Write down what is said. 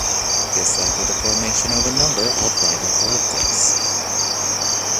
This led to the formation of a number of rival collectives.